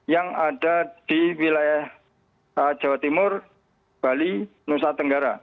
yang ada di wilayah jawa timur bali nusa tenggara